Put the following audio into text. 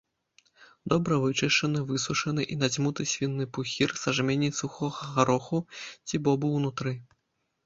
Добра вычышчаны, высушаны і надзьмуты свіны пухір са жменяй сухога гароху ці бобу ўнутры.